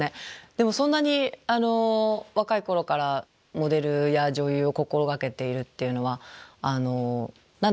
でもそんなに若い頃からモデルや女優を心がけているっていうのは何でそうなりたいって思ったんですか？